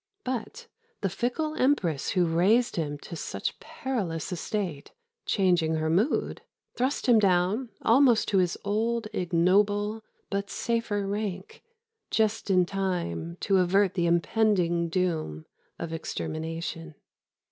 But the fickle empress who raised him to such perilous estate, changing her mood, thrust him down almost to his old ignoble but safer rank, just in time to avert the impending doom of extermination.